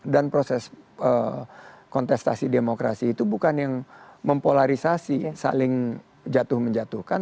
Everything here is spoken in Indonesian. dan proses kontestasi demokrasi itu bukan yang mempolarisasi saling jatuh menjatuhkan